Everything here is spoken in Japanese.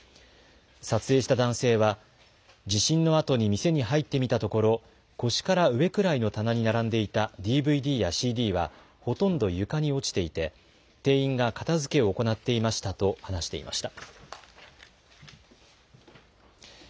撮影した男性は、地震のあとに店に入ってみたところ、腰から上くらいの棚に並んでいたＤＶＤやＣＤは、ほとんど床に落ちていて、店員が片づけを行っていましたと話していました。